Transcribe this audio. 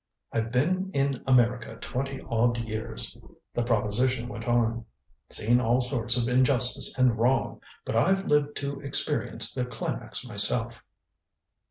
"I've been in America twenty odd years," the proposition went on. "Seen all sorts of injustice and wrong but I've lived to experience the climax myself."